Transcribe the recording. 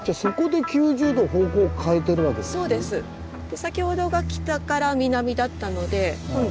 先ほどが北から南だったので今度。